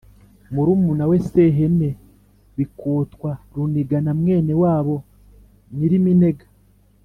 murumuna we sehene, bikotwa, runiga na mwene wabo nyiriminega,